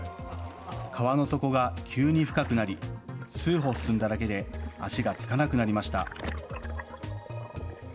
川の底が急に深くなり数歩、進んだだけで足が着かなくなりました。